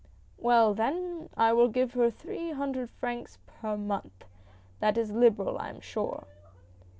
"Well then I will give her three hundred francs per month ! That is liberal, I am sure."